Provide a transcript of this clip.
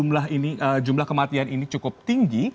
jumlah kematian ini cukup tinggi